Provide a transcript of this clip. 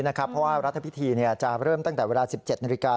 เพราะว่ารัฐพิธีจะเริ่มตั้งแต่เวลา๑๗นาฬิกา